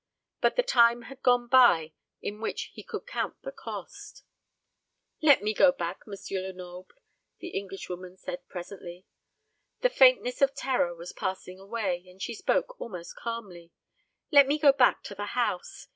But the time had gone by in which he could count the cost. "Let me go back, M. Lenoble," the Englishwoman said presently. The faintness of terror was passing away, and she spoke almost calmly. "Let me go back to the house.